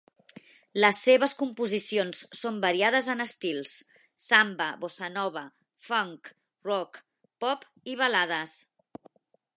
Les seves composicions són variades en estils: samba, bossa nova, funk, rock, pop i balades.